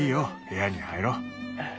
部屋に入ろう。